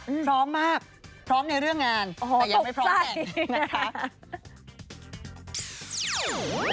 พร้อมมากพร้อมในเรื่องงานโอ้โหแต่ยังไม่พร้อมแต่งนะคะ